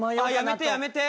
やめてやめて。